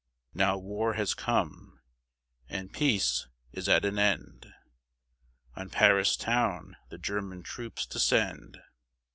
Now war has come, and peace is at an end. On Paris town the German troops descend.